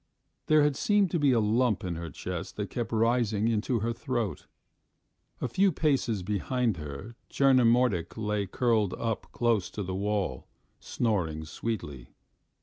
There seemed to be a lump in her chest that kept rising into her throat. ... A few paces behind her Tchernomordik lay curled up close to the wall, snoring sweetly.